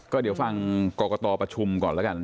ก็เดี๋ยวฟังกรกตประชุมก่อนแล้วกัน